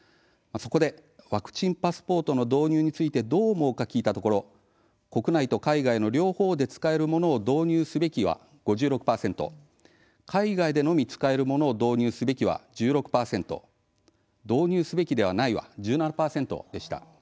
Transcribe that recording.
そこでワクチンパスポートの導入についてどう思うか聞いたところ国内と海外の両方で使えるものを導入すべきが５６％海外でのみ使えるものを導入すべきが１６％導入すべきではないは１７％でした。